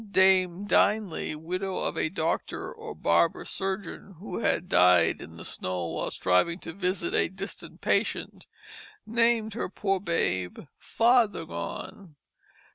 Dame Dinely, widow of a doctor or barber surgeon who had died in the snow while striving to visit a distant patient, named her poor babe Fathergone.